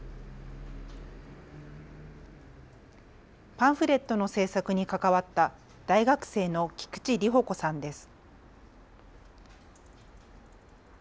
パンフレットの制作に関わった大学生の菊地里帆子さんです。